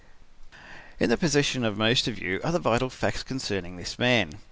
"In the possession of most of you are the vital facts concerning this man.